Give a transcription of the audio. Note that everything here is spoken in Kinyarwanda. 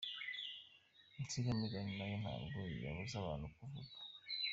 Insigamigani nayo ntabwo wabuza abantu kuvuga.